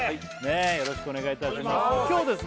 よろしくお願いいたします今日ですね